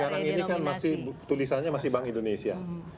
karena sekarang ini kan masih tulisannya bank indonesia